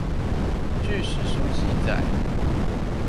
據史書記載